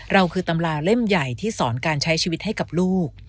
เราคือตำราเล่มใหญ่ที่สอนการใช้ชีวิตให้กับลูก